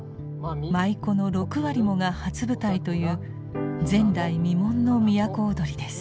舞妓の６割もが初舞台という前代未聞の都をどりです。